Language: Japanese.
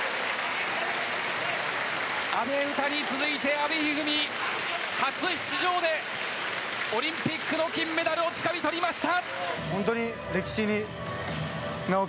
阿部詩に続いて阿部一二三初出場でオリンピックの金メダルをつかみ取りました！